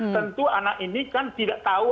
tentu anak ini kan tidak tahu